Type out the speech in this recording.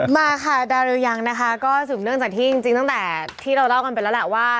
มาค่ะดาริวยังนะคะก็สืบเนื่องจากที่จริงตั้งแต่ที่เราเล่ากันไปแล้วแหละว่า